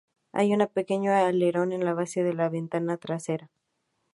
Hay un pequeño alerón en la base de la ventana trasera.